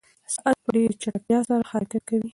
ساعت په ډېرې چټکتیا سره حرکت کوي.